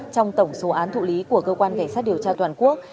trong tổng số án thụ lý của cơ quan cảnh sát điều tra toàn quốc